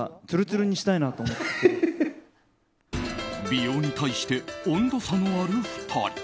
美容に対して温度差のある２人。